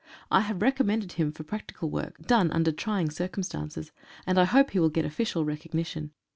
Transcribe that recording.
I have recommended him for practical work, done under trying circumstances, and I hope he will get official recognition.